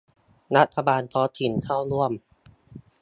รัฐบาลท้องถิ่นเข้าร่วม